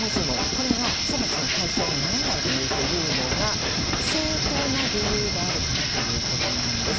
これが処罰の対象にならない理由というのが正当な理由があるからということなんです。